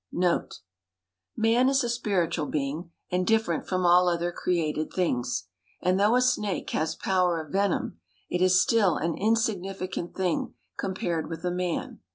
Note. Man is a spiritual being, and different from all other created things, and though a snake has power of venom, it is still an insignificant thing compared with a man.